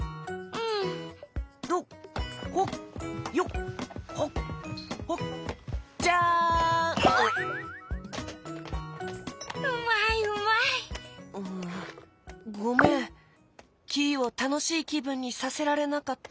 うんごめんキイをたのしいきぶんにさせられなかった。